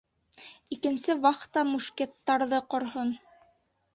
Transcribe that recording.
Икенсе вахта мушкеттарҙы ҡорһон.